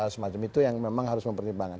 semacam itu yang memang harus mempertimbangkan